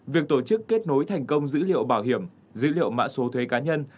việc tổ chức kết nối thành công dữ liệu bảo hiểm dữ liệu mã số thuế cá nhân